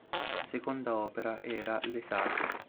La seconda opera era "Le Sacre".